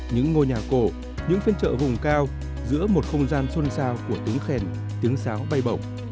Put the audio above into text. những ngôi nhà cổ những phiên trợ hùng cao giữa một không gian xuân sao của tướng khèn tướng sáo bay bổng